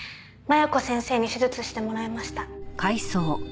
麻弥子先生に手術してもらいました。